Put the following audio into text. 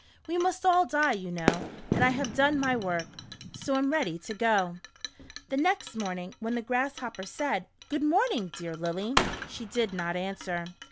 "We must all die, you know, and I have done my work, so am ready to go." The next morning, when the Grasshopper said, " Good morning, dear Lily," she did not answer.